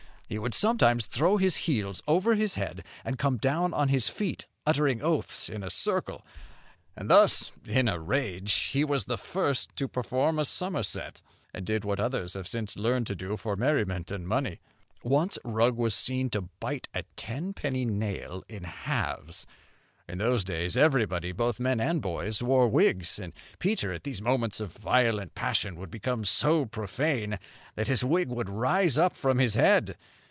He would sometimes throw his heels over his head, and come down on his feet, uttering oaths in a circle. And thus, in a rage, he was the first who performed a somerset, and did what others have since learned to do for merriment and money. Once Rugg was seen to bite a tenpenny nail in halves. In those days everybody, both men and boys, wore wigs; and Peter, at these moments of violent passion, would become so profane that his wig would rise up from his head.